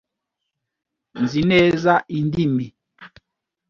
Nzi neza indimi.